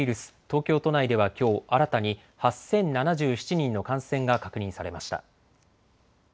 東京都内ではきょう新たに８０７７人の感染が確認されました。